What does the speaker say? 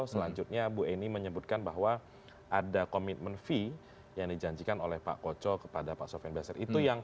selanjutnya bu eni menyebutkan bahwa ada komitmen fee yang dijanjikan oleh pak koco kepada pak sofian basir